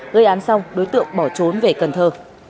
gây án xong đối tượng bỏ trốn về cần thơ